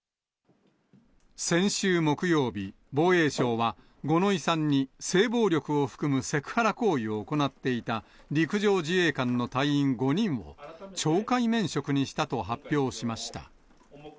先週木曜日、防衛省は、五ノ井さんに、性暴力を含むセクハラ行為を行っていた、陸上自衛官の隊員５人を懲戒免職にしたと発表しました。